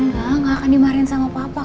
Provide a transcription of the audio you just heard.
enggak nggak akan dimarahin sama papa